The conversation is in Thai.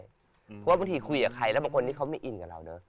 เพราะว่าบางทีคุยกับใครแล้วบางคนที่เขาไม่อินกับเราเนอะ